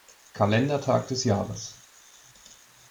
Kalendertag des Jahres.